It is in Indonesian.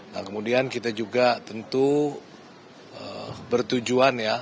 nah kemudian kita juga tentu bertujuan ya